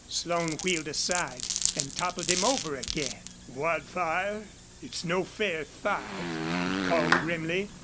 Slone wheeled aside and toppled him over again. "Wildfire, it's no fair fight," he called, grimly.